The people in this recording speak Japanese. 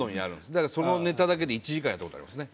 だからそのネタだけで１時間やった事ありますね。